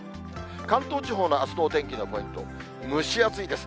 関東地方のあすのお天気のポイント、蒸し暑いです。